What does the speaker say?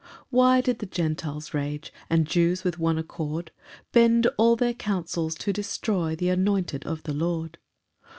] 3 Why did the Gentiles rage, And Jews with one accord Bend all their counsels to destroy Th' anointed of the Lord?